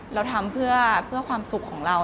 เราทำเพื่อความสุขของเรา